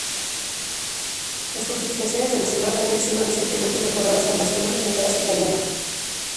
Las fortificaciones de la ciudad habían sido recientemente mejoradas con bastiones de traza italiana.